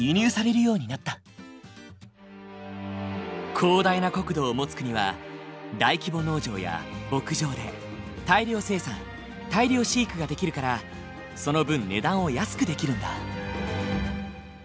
広大な国土を持つ国は大規模農場や牧場で大量生産大量飼育ができるからその分値段を安くできるんだ。